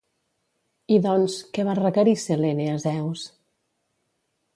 I doncs, que va requerir Selene a Zeus?